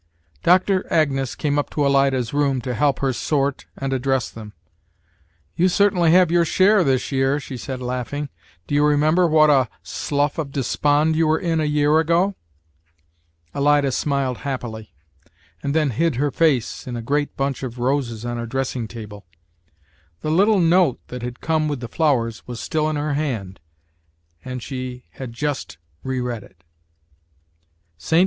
Doctor Agnes came up to Alida's room to help her sort and address them. "You certainly have your share this year," she said, laughing. "Do you remember what a slough of despond you were in a year ago?" Alida smiled happily, and then hid her face in a great bunch of roses on her dressing table. The little note that had come with the flowers was still in her hand, and she had just reread it. "St.